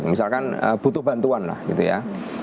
misalkan butuh bantuan lah gitu ya